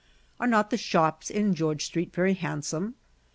Are not the shops in George Street very handsome?"